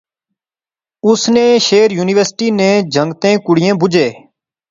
اس نے شعر یونیورسٹی نے جنگتیں کڑئیں بجے